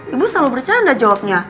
ibu selalu bercanda jawabnya